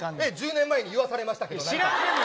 １０年前に言わされたけどね。